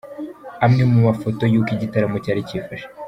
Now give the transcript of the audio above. Amwe mu mafoto y’uko igitaramo cyari cyifashe :.